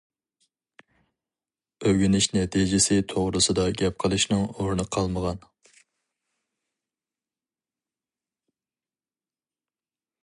ئۆگىنىش نەتىجىسى توغرىسىدا گەپ قىلىشنىڭ ئورنى قالمىغان.